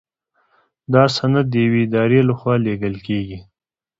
دا سند د یوې ادارې لخوا لیږل کیږي.